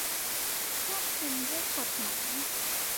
ควบคุมด้วยกฎหมาย